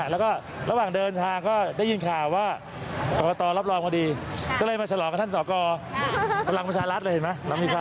แล้วก็ระหว่างเดินทางก็ได้ยินข่าวว่ากรกตรับรองพอดีก็เลยมาฉลองกับท่านสอกรพลังประชารัฐเลยเห็นไหม